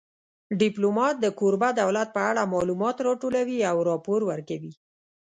ډیپلومات د کوربه دولت په اړه معلومات راټولوي او راپور ورکوي